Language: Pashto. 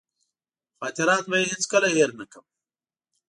خاطرات به یې هېڅکله هېر نه کړم.